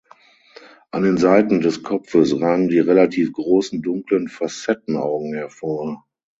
An den Seiten des Kopfes ragen die relativ großen dunklen Facettenaugen hervor.